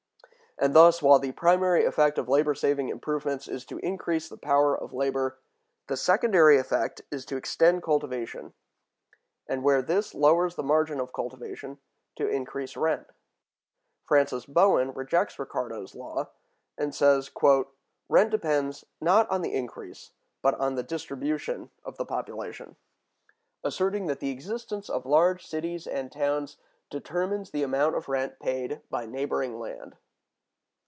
And thus, while the primary effect of labor saving improvements is to increase the power of labor, the secondary effect is to extend cultivation, and, where this lowers the margin of cultivation, to increase rent."(185) Francis Bowen(186) rejects Ricardo's law, and says, "Rent depends, not on the increase, but on the distribution, of the population"—asserting that the existence of large cities and towns determines the amount of rent paid by neighboring land.